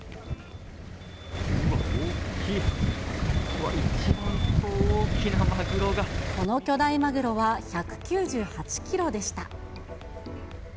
うわ、この巨大マグロは１９８キロでした。